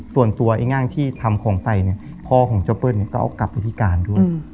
ส่วนตัวไอ้ง่างที่ทำของใส่พ่อของเจ้าเปิ้ลก็เอากลับไปที่กาลด้วย